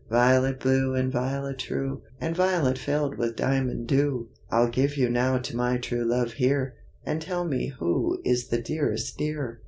Violet blue and Violet true, And Violet filled with diamond dew! I'll give you now to my true love here, And tell me who is the dearest dear!